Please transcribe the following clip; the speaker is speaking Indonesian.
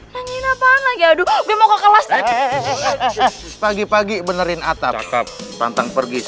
nanyain apaan lagi aduh gue mau ke kelas